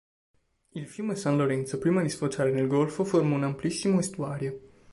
Il fiume San Lorenzo prima di sfociare nel golfo forma un amplissimo estuario.